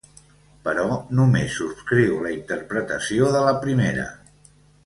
Però només subscriu la interpretació de la primera.